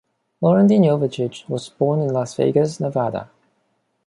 Loren Dean Jovicic was born in Las Vegas, Nevada.